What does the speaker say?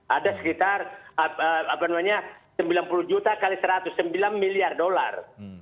ada sekitar apa namanya sembilan puluh juta kali seratus sembilan miliar dolar